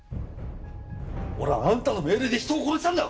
俺はあんたの命令で人を殺したんだ！